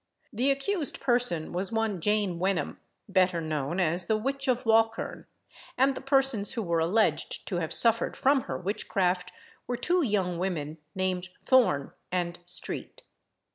The accused person was one Jane Wenham, better known as the Witch of Walkerne; and the persons who were alleged to have suffered from her witchcraft were two young women, named Thorne and Street.